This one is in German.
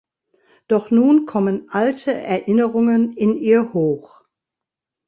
Doch nun kommen alte Erinnerungen in ihr hoch.